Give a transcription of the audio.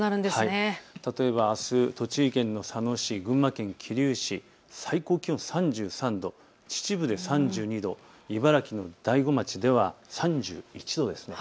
例えばあす、栃木県の佐野市、群馬県桐生市、最高気温３３度、秩父で３２度、茨城の大子町では３１度です。